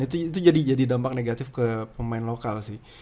itu jadi dampak negatif ke pemain lokal sih